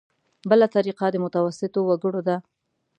بله طریقه د متوسطو وګړو ده.